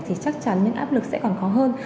thì chắc chắn những áp lực sẽ còn khó hơn